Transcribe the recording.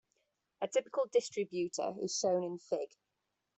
A typical distributor is shown in Fig.